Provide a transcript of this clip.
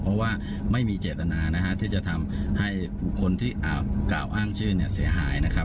เพราะว่าไม่มีเจตนานะฮะที่จะทำให้บุคคลที่กล่าวอ้างชื่อเนี่ยเสียหายนะครับ